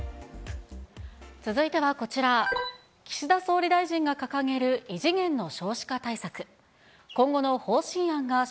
続いてはこちら、岸田総理大臣が掲げる異次元の少子化対策。